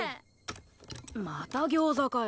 また餃子かよ。